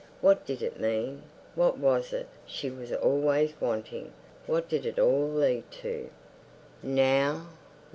What did it mean? What was it she was always wanting? What did it all lead to? Now?